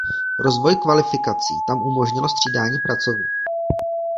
Rozvoj kvalifikací tam umožnilo střídání pracovníků.